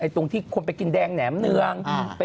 ตรงที่คนไปกินแดงแหนมเนือง